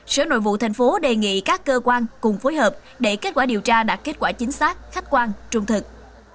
sở nội vụ tp hcm đề nghị các cơ quan cùng phối hợp để kết quả điều tra đạt kết quả chính xác khách quan trung thực